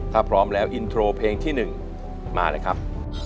ถ้าพร้อมแล้วอินโทรเพลงที่๑มาเลยครับ